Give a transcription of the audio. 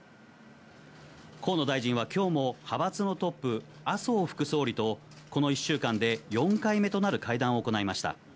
河野大臣はきょうも派閥のトップ、麻生副総理とこの１週間で４回目となる会談を行いました。